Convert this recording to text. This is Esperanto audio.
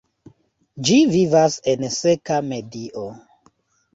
Ĝi vivas en seka medio.